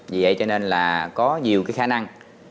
vì vậy cho nên là có nhiều khả năng